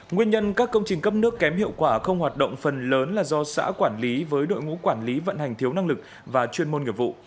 nguyên nhân các công trình cấp nước kém hiệu quả không hoạt động phần lớn là do xã quản lý với đội ngũ quản lý vận hành thiếu năng lực và chuyên môn nghiệp vụ